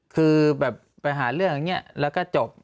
คือแบบไปหาเรื่องอย่างนี้แล้วก็จบ